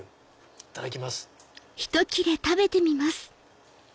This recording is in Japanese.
いただきます。